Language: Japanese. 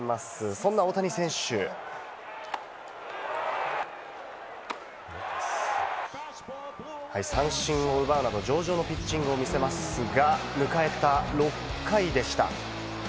そんな大谷選手、三振を奪うなど上々のピッチングを見せますが、迎えた６回でした。